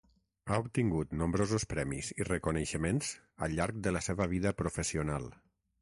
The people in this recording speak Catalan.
Ha obtingut nombrosos premis i reconeixements al llarg de la seva vida professional.